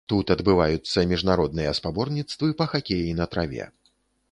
Тут адбываюцца міжнародныя спаборніцтвы па хакеі на траве.